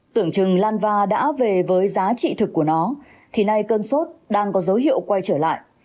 tưởng chừng lanva đã về với giá trị thực của nó thì nay cơn sốt đang có dấu hiệu quay trở lại